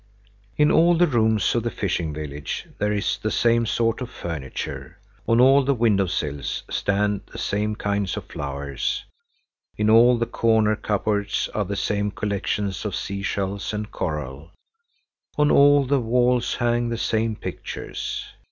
In all the rooms of the fishing village there is the same sort of furniture, on all the window sills stand the same kinds of flowers, in all the corner cupboards are the same collections of sea shells and coral, on all the walls hang the same pictures.